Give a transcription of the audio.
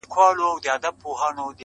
سیلاب درې ته زیان رسوي.